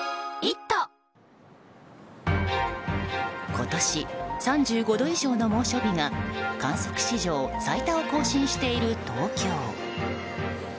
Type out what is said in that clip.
今年３５度以上の猛暑日が観測史上最多を更新している東京。